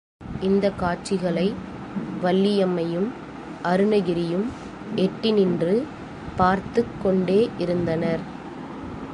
இந்த காட்சிகளை வள்ளியம்மையும், அருணகிரியும் எட்டி நின்று பார்த்துக் கொண்டே இருந்தனர்.